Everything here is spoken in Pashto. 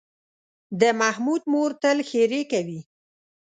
د محمود مور تل ښېرې کوي.